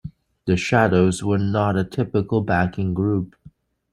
The Shadows were not a typical backing group.